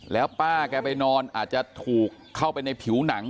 แล้วป้าแกไปนอนอาจจะถูกเข้าไปในผิวหนัง